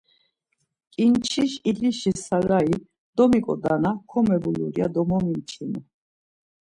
Ǩinçiş ilişi sarayı domiǩoda na komebulur ya do momimçinu.